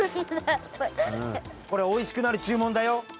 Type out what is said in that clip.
これおいしくなるじゅもんだよ。